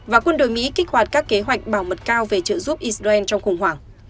và quân đội mỹ kích hoạt các kế hoạch bảo mật cao về trợ giúp israel trong khủng hoảng